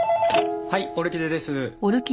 はいオルキデです。